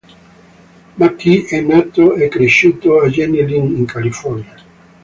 McKee è nato e cresciuto a Jenny Lind in California.